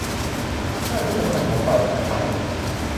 หน้าที่สำคัญของบัตรประชาชน